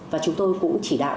và chúng tôi cũng chỉ đạo